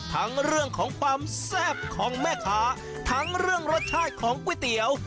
ทั้งเรื่องของความแซ่บของแม่ค้าทั้งเรื่องรสชาติของก๋วยเตี๋ยว